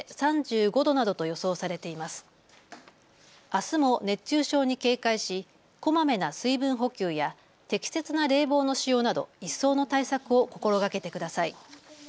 あすも熱中症に警戒しこまめな水分補給や適切な冷房の使用など一層の対策を心がけてください。